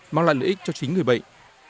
mang lại lợi ích cho chính người bệnh